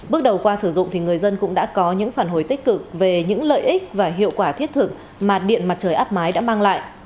bước đầu qua sử dụng thì người dân cũng đã có những phản hồi tích cực về những lợi ích và hiệu quả thiết thực mà điện mặt trời áp mái đã mang lại